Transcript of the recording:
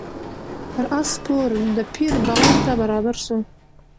پر آس سپور د پیر بغل ته برابر سو